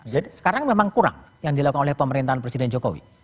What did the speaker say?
sekarang memang kurang yang dilakukan oleh pemerintahan presiden jokowi